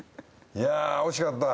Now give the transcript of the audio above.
いやー惜しかった